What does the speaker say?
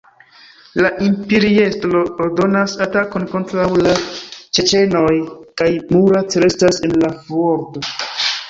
La imperiestro ordonas atakon kontraŭ la ĉeĉenoj, kaj Murat restas en la fuorto.